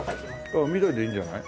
うん緑でいいんじゃない？